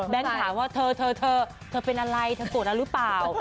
แบงค์ถามว่าเธอเธอเป็นอะไรเธอโกรธอ่ะหรือเปล่า